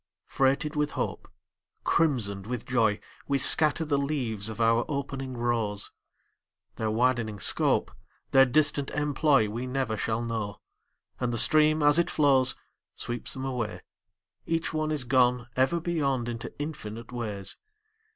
Freighted with hope, Crimsoned with joy, We scatter the leaves of our opening rose; Their widening scope, Their distant employ, We never shall know. And the stream as it flows Sweeps them away, Each one is gone Ever beyond into infinite ways.